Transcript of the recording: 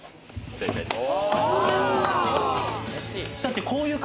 正解です。